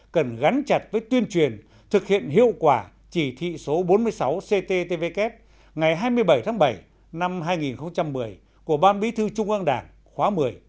cần gắn chặt với tuyên truyền thực hiện hiệu quả chỉ thị số bốn mươi sáu cttvk ngày hai mươi bảy tháng bảy năm hai nghìn một mươi của ban bí thư trung an đảng khóa một mươi